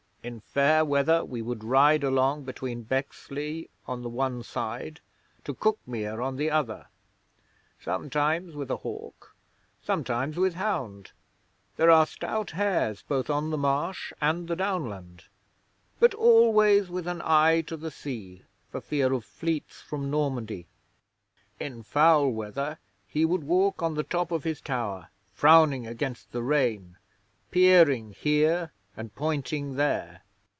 In fair weather we would ride along between Bexlei on the one side, to Cuckmere on the other sometimes with hawk, sometimes with hound (there are stout hares both on the Marsh and the Downland), but always with an eye to the sea, for fear of fleets from Normandy. In foul weather he would walk on the top of his tower, frowning against the rain peering here and pointing there.